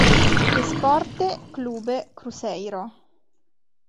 Esporte Clube Cruzeiro